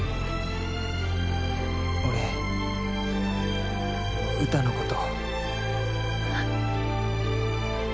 俺ウタのこと。